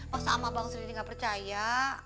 pas sama abang sendiri nggak percaya